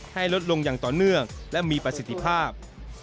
ให้ลดลงอย่างต่อเนื่องและมีประสิทธิภาพ